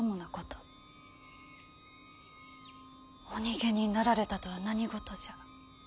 お逃げになられたとは何事じゃ。